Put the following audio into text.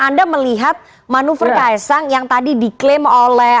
anda melihat manuver kaisang yang tadi diklaim oleh